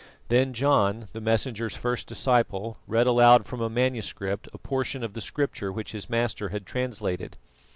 Then John, the Messenger's first disciple, read aloud from a manuscript a portion of the Scripture which his master had translated.